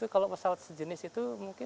kalau pesawat sejenis itu